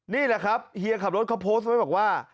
นี่แหละครับเฮียขับรถเขาโพสต์ไว้บอกว่า